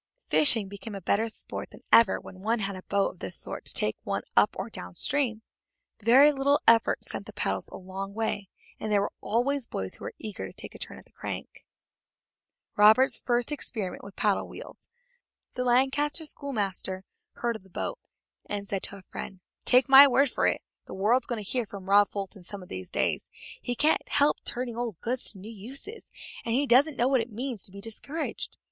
Fishing became better sport than ever when one had a boat of this sort to take one up or down stream. Very little effort sent the paddles a long way, and there were always boys who were eager to take a turn at the crank. [Illustration: ROBERT FULTON'S FIRST EXPERIMENT WITH PADDLE WHEELS] The Lancaster schoolmaster heard of the boat, and said to a friend: "Take my word for it, the world's going to hear from Rob Fulton some of these days. He can't help turning old goods to new uses. And he doesn't know what it means to be discouraged.